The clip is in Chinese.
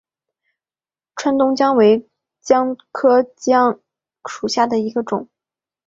川东姜为姜科姜属下的一个种。